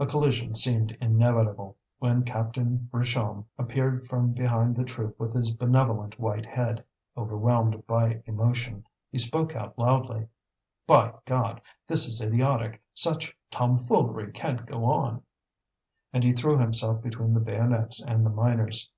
A collision seemed inevitable, when Captain Richomme appeared from behind the troop with his benevolent white head, overwhelmed by emotion. He spoke out loudly: "By God! this is idiotic! such tomfoolery can't go on!" And he threw himself between the bayonets and the miners.